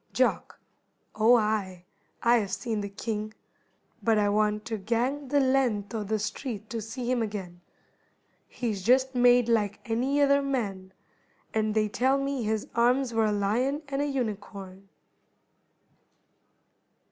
JOCK. "Oh ay, I hae seen the king; but I wadna gang the length o' the street to see him again. He's just made like ony ither mon, an' they tell't me his arms were a lion an' a unicorn."